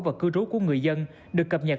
và cư trú của người dân được cập nhật